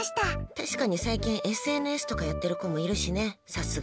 確かに最近、ＳＮＳとかやってる子もいるしね。